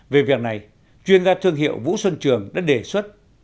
về việc này chuyên gia thương hiệu vũ xuân trường đã đề xuất